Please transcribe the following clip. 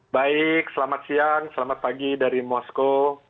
baik selamat siang selamat pagi dari moskow